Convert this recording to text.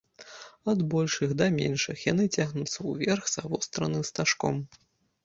Ад большых да меншых яны цягнуцца ўверх завостраным стажком.